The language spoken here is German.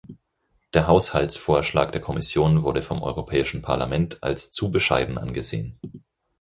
Der Haushaltsvorschlag der Kommission wurde vom Europäischen Parlament als zu bescheiden angesehen.